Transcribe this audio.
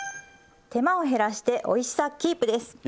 手間を減らしておいしさキープです。